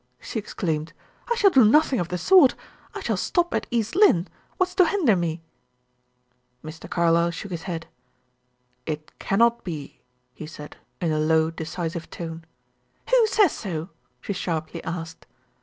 she exclaimed. "I shall do nothing of the sort. I shall stop at East Lynne. What's to hinder me?" Mr. Carlyle shook his head. "It cannot be," he said, in a low, decisive tone. "Who says so?" she sharply asked.